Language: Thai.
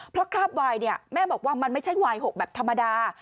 เพราะคราบไวน์แม่บอกว่ามันไม่ใช่ไวน์หกแบบธรรมดา